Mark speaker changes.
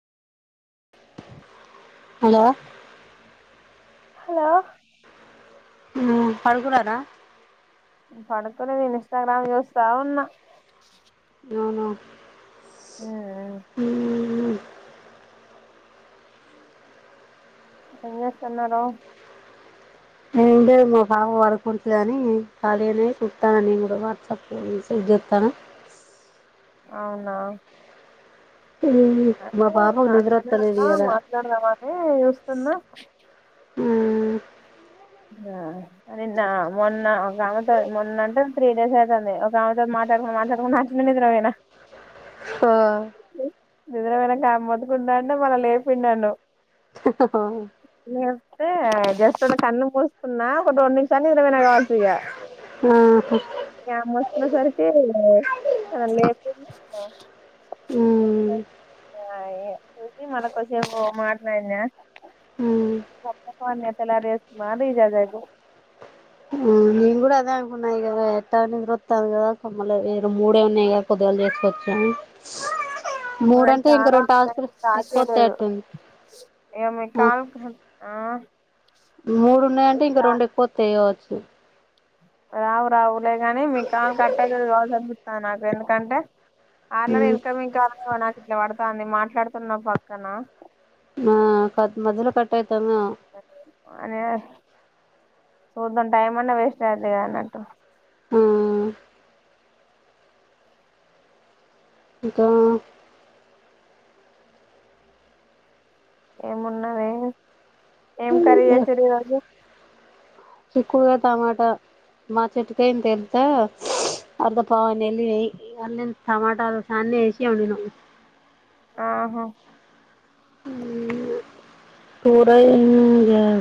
Speaker 1: hello
Speaker 2: hello
Speaker 1: ఉమ్ పడుకున్నారా
Speaker 2: పడుకోలేదు ఇన్స్టాగ్రామ్ చూస్తా ఉన్న
Speaker 1: అవునా ఉమ్ ఉమ్
Speaker 2: ఏం చేస్తున్నారొ
Speaker 1: ఏం లేదు నా పాప పడుకుంటాడలేదని ఖాళీ గానే చూత్తన నేను కూడా వాట్సాప్ లో మెసేజ్ చేతనా
Speaker 2: అవునా
Speaker 1: మా
Speaker 2: అదే
Speaker 1: పాపకు నిద్ర
Speaker 2: చనికనే
Speaker 1: వస్తలేదు
Speaker 2: ఉన్న
Speaker 1: ఇయ్యాల
Speaker 2: మాట్లాడదామా అని చూస్తున్నా అచ్
Speaker 1: ఉమ్
Speaker 2: నిన్న మొన్న ఒక ఆమెతో మొన్న అంటే త్రీ డేస్ అయితాంది ఒక ఆమెతో మాట్లాడుకుట మాట్లాడుకుట అట్లే నిద్రపోయిన నిద్రపోయినకా ఆమె మొత్తుకుంటూ ఉంటే మల్ల లేపిండు నన్ను లేపితే జస్ట్ అ ట్ల కన్ను మూసుకున్నా ఒక రెండు నిమిషాన్ని నిదరఓయిన కావచ్చు ఇగా
Speaker 1: హా
Speaker 2: న్ వచ్చేసరికి నన్ను లేపిండు [inaudible] చూసి మల కొద్దిసేపు మాట్లానా ఫస్ట్పాల్ నేన్ ఎత్తలార్ మాదిజగయితే
Speaker 1: నేను కూడా అదే అనుకున్నా ఇ ఎట్ట నిద్రొత్తాంది కదా కొమ్మళ మూడే ఉన్నాయి కదా పొద్దుగాల చేసుకొచ్చని
Speaker 2: మారి చాలా ఉందడి స్టార్ట్
Speaker 1: ఎక్కువ వస్తాయి
Speaker 2: చేయిలేదు
Speaker 1: అట్టుంది
Speaker 2: ఏమి ఇక ఉమ్
Speaker 1: మూడున్నాయింటే ఇంక రెండు ఎక్కువ వత్తయి కావచ్చు ఉమ్
Speaker 2: రావు రావు లేదుగానీ మీ కాలు కట్ అయితది కావ ఆ నాకు ఎందుకంటే ఆల్రెడీ ఇన్కమింగ్ కాల్స్ [inaudible] ఇట్లా పడతాంది మాట్లాడుతున్నా పక్కన
Speaker 1: ఆ కట్ మధలో కట్ అయి
Speaker 2: [inaudible] అనే చూద్దాం టైం అన్నా వేస్ట్ అయింది కదా అన్నట్టు
Speaker 1: ఉమ్ ఇంకా
Speaker 2: ఏమున్నావే ఏం కర్రీ చేసినారు ఈ రోజు
Speaker 1: ఎక్కువగా టమాటా మా చెట్కా ఇంతద్ద అర్ధ పావ అన్ని వెల్లినయి ఇంగ ఆల్లనే టమాటా అన్ని వేసి వండినాం
Speaker 2: ఆహా
Speaker 1: కూర ఏం చేయాలి